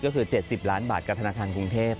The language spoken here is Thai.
ก็คือ๗๐ล้านบาทกับธนาคารกรุงเทพ